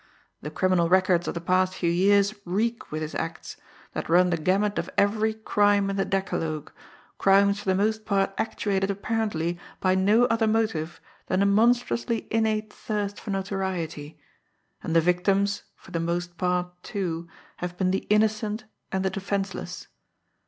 The criminal records of the past few years reek with his acts, that run the gamut of every crime in the decalogue, crimes for the most part actuated apparently by no other motive than a monstrously innate thirst for notoriety and the victims, for the most part, too, have been the innocent and the defenceless.